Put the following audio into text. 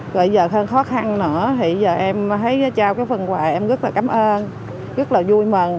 rồi giờ hơn khó khăn nữa em thấy trao phần quà em rất là cảm ơn rất là vui mừng